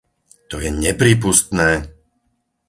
To je neprípustné!